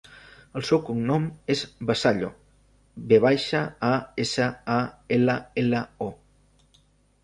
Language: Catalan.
El seu cognom és Vasallo: ve baixa, a, essa, a, ela, ela, o.